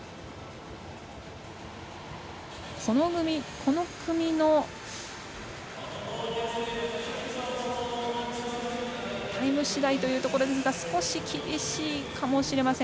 この組のタイム次第というところですが少し厳しいかもしれません。